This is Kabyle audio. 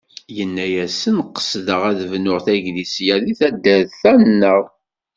Yenna-yasen qesdeɣ ad bnuɣ taglisya deg taddart-a-nneɣ.